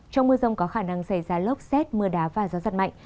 trong mưa rông có khả năng xảy ra lốc xét mưa đá và gió giật mạnh